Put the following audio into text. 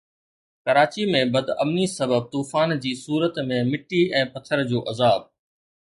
ڪراچي ۾ بدامني سبب طوفان جي صورت ۾ مٽي ۽ پٿر جو عذاب